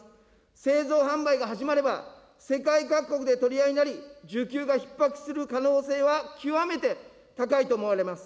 製造販売が始まれば、世界各国で取り合いになり、需給がひっ迫する可能性は極めて高いと思われます。